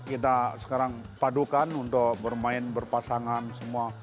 kita sekarang padukan untuk bermain berpasangan semua